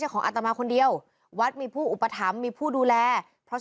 ของอัตมาคนเดียววัดมีผู้อุปถัมภ์มีผู้ดูแลเพราะ